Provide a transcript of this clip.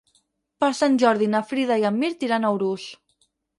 Per Sant Jordi na Frida i en Mirt iran a Urús.